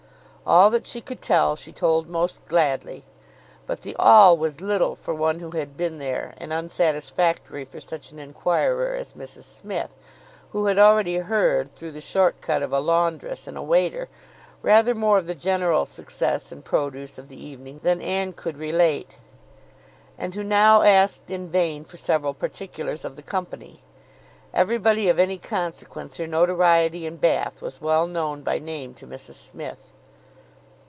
All that she could tell she told most gladly, but the all was little for one who had been there, and unsatisfactory for such an enquirer as Mrs Smith, who had already heard, through the short cut of a laundress and a waiter, rather more of the general success and produce of the evening than Anne could relate, and who now asked in vain for several particulars of the company. Everybody of any consequence or notoriety in Bath was well know by name to Mrs Smith.